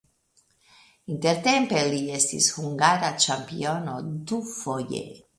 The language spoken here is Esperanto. Intertempe li estis hungara ĉampiono dufoje.